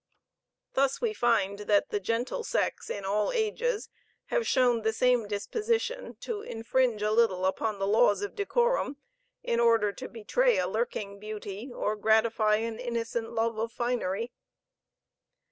Thus we find that the gentle sex in all ages have shown the same disposition to infringe a little upon the laws of decorum, in order to betray a lurking beauty, or gratify an innocent love of finery.